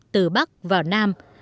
từ bắc vào nam